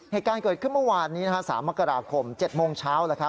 เหตุการณ์เกิดขึ้นเมื่อวานนี้๓มกราคม๗โมงเช้า